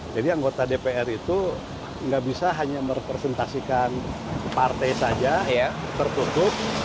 anggota dpr itu nggak bisa hanya merepresentasikan partai saja ya tertutup